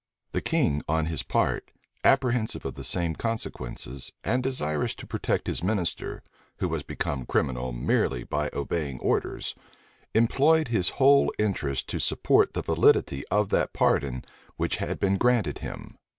The king, on his part, apprehensive of the same consequences, and desirous to protect his minister, who was become criminal merely by obeying orders, employed his whole interest to support the validity of that pardon which had been granted him.